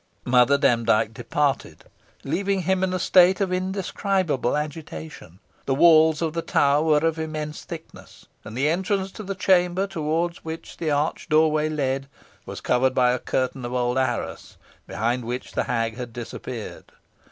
Mother Demdike departed, leaving him in a state of indescribable agitation. The walls of the tower were of immense thickness, and the entrance to the chamber towards which the arched doorway led was covered by a curtain of old arras, behind which the hag had disappeared.